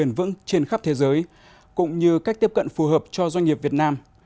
bền vững trên khắp thế giới cũng như cách tiếp cận phù hợp cho doanh nghiệp việt nam